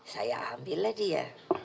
saya ambil lah dia